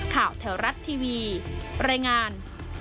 ข่าวแถวรัฐทีวีรายงาน